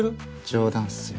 冗談っすよ。